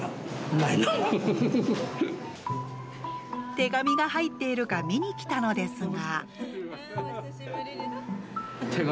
手紙が入っているか見に来たのですが。